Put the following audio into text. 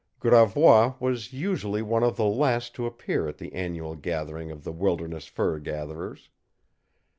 Gravois was usually one of the last to appear at the annual gathering of the wilderness fur gatherers.